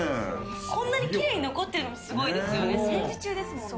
こんなにきれいに残ってるのもすごいですよね、戦時中ですもんね。